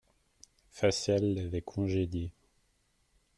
Facial l'avait congédiée.